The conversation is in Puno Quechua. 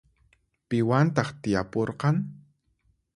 Piwantaq tiyapurqan?